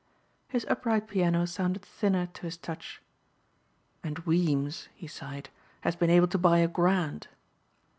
His upright piano sounded thinner to his touch. "And Weems," he sighed, "has been able to buy a grand."